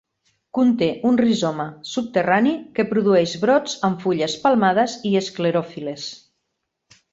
Conté un rizoma subterrani que produeix brots amb fulles palmades i esclerofil·les.